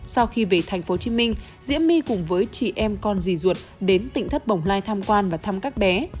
sau khi về tp hcm diễm my cùng với chị em con dì ruột đến tỉnh thất bồng lai tham quan và thăm các bé